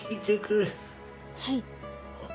はい。